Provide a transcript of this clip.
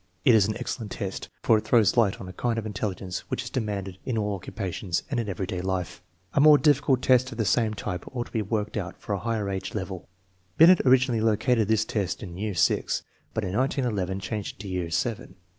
It is an excellent test, for it throws light on a kind of intelligence which is demanded in all occupations and in everyday life. A more difficult test of the same type ought to be worked out for a higher age level. Binet originally located this test in year VI, but in 1911 changed it to year VII.